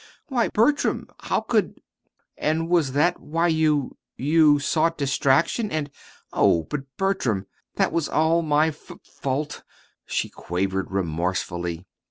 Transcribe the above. "Why, Bertram, how could And was that why you you sought distraction and Oh, but, Bertram, that was all my f fault," she quavered remorsefully.